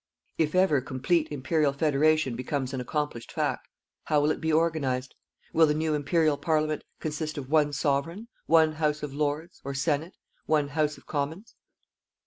If ever complete Imperial Federation becomes an accomplished fact, how will it be organized? Will the new Imperial Parliament consist of one Sovereign, one House of Lords or Senate one House of Commons?